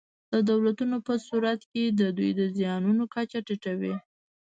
د دولتونو په صورت کې د دوی د زیانونو کچه ټیټه وي.